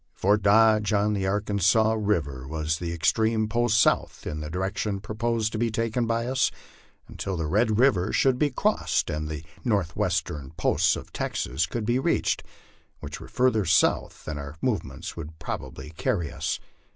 Fort Dodge, on the Arkansas river, was the extreme post south in the direction proposed to be taken by us, until the Red river should be crossed and the northwestern posts of Texas could bo reached, which were further south than our movements would probably carry us.